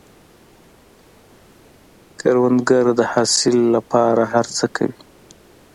کروندګر د حاصل له پاره هر څه کوي